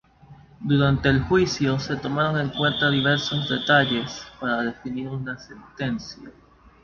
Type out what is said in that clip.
Durante el juicio, se tomaron en cuenta diversos detalles para definir un sentencia.